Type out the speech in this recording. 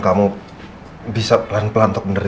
kamu bisa pelan pelan terpeda semua ini